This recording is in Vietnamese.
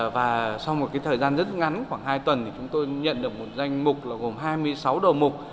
và sau một thời gian rất ngắn khoảng hai tuần chúng tôi nhận được một danh mục gồm hai mươi sáu đồ mục